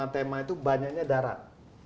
delapan puluh lima tema itu banyaknya darat